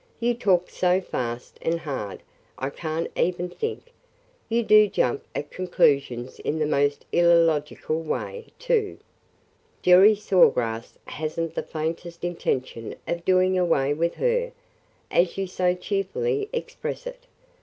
"You talk so fast and hard I can't even think! You do jump at conclusions in the most illogical way, too. Jerry Saw Grass has n't the faintest intention of 'doing away with her,' as you so cheerfully express it.